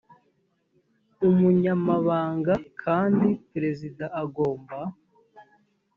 umunyamabanga kandi perezida agomba